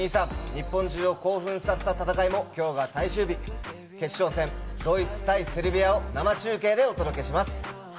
日本中を興奮させた戦いも、きょうが最終日、決勝戦、ドイツ対セルビアを生中継でお届けします。